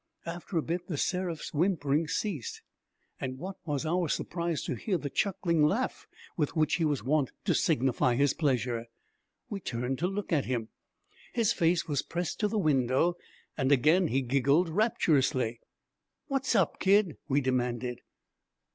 After a bit The Seraph's whimpering ceased, and what was our surprise to hear the chuckling laugh with which he was wont to signify his pleasure! We turned to look at him. His face was pressed to the window, and again he giggled rapturously. 'What's up, kid?' we demanded.